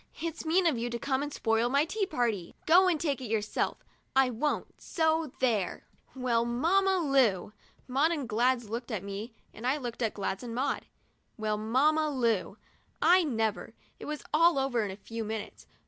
It's mean of you to come and spoil 33 THE DIARY OF A BIRTHDAY DOLL my tea party. Go and take it yourself; I won't, so there !" Well, Mamma Lu ! Maud and Gladys looked at me, and I looked at Gladys and Maud. Well, Mamma Lu ! I never — it was all over in a few minutes.